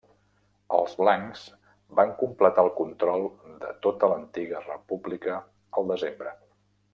Els blancs van completar el control de tota l'antiga república el desembre.